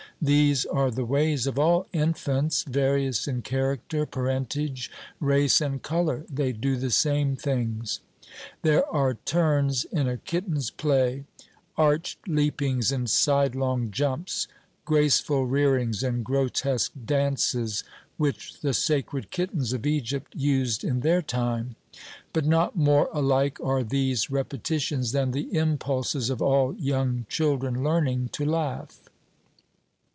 These are the ways of all infants, various in character, parentage, race, and colour; they do the same things. There are turns in a kitten's play arched leapings and sidelong jumps, graceful rearings and grotesque dances which the sacred kittens of Egypt used in their time. But not more alike are these repetitions than the impulses of all young children learning to laugh.